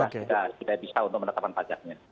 sudah kita bisa untuk menetapkan pajaknya